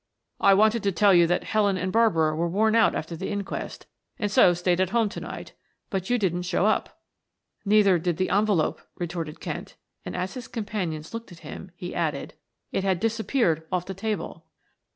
"I waited to tell you that Helen and Barbara were worn out after the inquest and so stayed at home to night, but you didn't show up." "Neither did the envelope," retorted Kent, and as his companions looked at him, he added. "It had disappeared off the table."